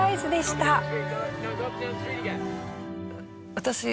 私